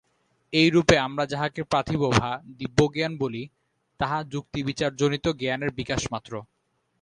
এইরূপে আমরা যাহাকে প্রাতিভ বা দিব্যজ্ঞান বলি, তাহা যুক্তিবিচারজনিত জ্ঞানের বিকাশমাত্র।